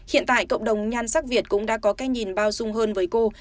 hiện tại cộng đồng nhan sắc việt cũng đã có cái nhìn bao dung hơn với cô